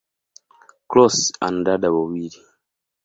Cross ana dada wawili.